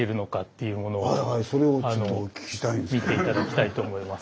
見て頂きたいと思います。